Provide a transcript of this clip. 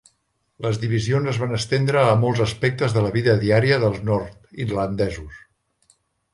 Les divisions es van estendre a molts aspectes de la vida diària dels nord-irlandesos.